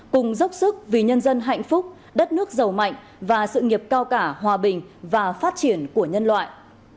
cùng dốc sức vì nhân dân hạnh phúc đất nước giàu mạnh và sự nghiệp cao cả hòa bình và phát triển của nhân loại